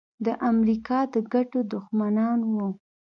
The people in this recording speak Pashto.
د امریکا د ګټو دښمنان وو.